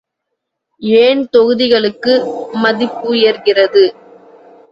ஏன் தொகுதிகளுக்கு மதிப்புயர்கிறது?